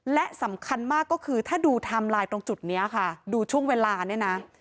และสำคัญมากก็คือถ้าดูไทม์ไลน์ตรงจุดนี้ค่ะดูช่วงเวลาเนี่ยนะ